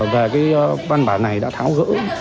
và cái văn bản này đã tháo gỡ